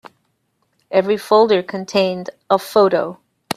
Every folder contained a photo.